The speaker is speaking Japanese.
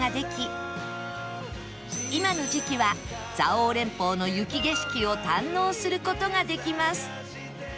今の時期は蔵王連峰の雪景色を堪能する事ができます